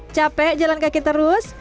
capek jalan kaki terus